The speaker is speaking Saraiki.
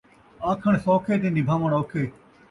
آکھݨ سوکھے تے نبھاوݨ اوکھے